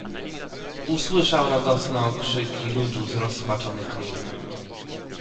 "Usłyszał radosne okrzyki ludu zrozpaczony król."